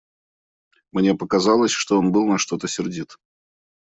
Мне показалось, что он был на что-то сердит.